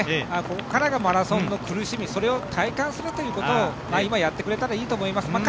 ここからがマラソンの苦しみそれを体感するということを今やってくれたらいいと思います。